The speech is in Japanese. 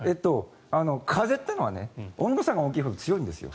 風というのは温度差が大きいほど強いんですよ。